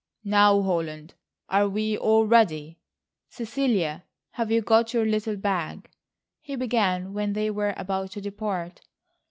"Now, Holland, are we all ready? Cecilia, have you got your little bag?" he began when they were about to depart.